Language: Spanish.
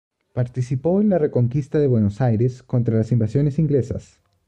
Participó en la Reconquista de Buenos Aires contra las Invasiones Inglesas.